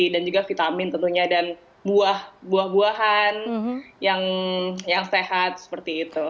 dan juga vitamin tentunya dan buah buahan yang sehat seperti itu